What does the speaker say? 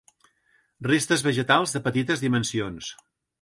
Restes vegetals de petites dimensions.